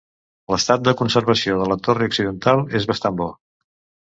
L’estat de conservació de la torre occidental és bastant bo.